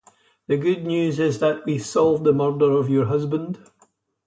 The good news is that we've solved the murder of your husband.